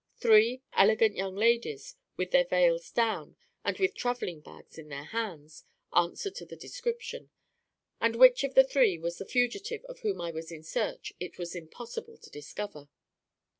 Three "elegant young ladies, with their veils down, and with traveling bags in their hands," answered to the description; and which of the three was the fugitive of whom I was in search, it was impossible to discover.